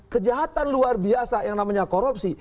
kejahatan luar biasa yang namanya korupsi